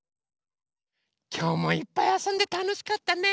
きょうもいっぱいあそんでたのしかったね。